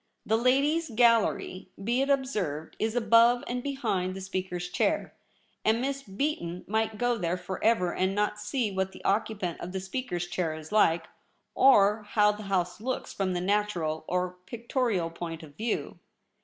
The Ladies' Gallery, be It observed, Is above and behind the Speaker's chair, and Miss Beaton might go there for ever and not see what the occupant of the Speaker's chair Is like, or how the House looks from the natural or pictorial point of view.